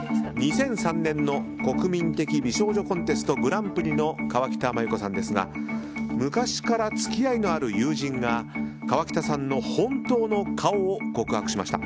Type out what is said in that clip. ２００３年に国民的美少女コンテストグランプリの河北麻友子さんですが昔から付き合いのある友人が河北さんの本当の顔を告白しました。